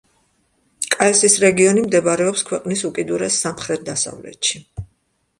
კაესის რეგიონი მდებარეობს ქვეყნის უკიდურეს სამხრეთ-დასავლეთში.